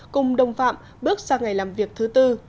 cùng đồng phạm bước sang ngày làm việc thứ tư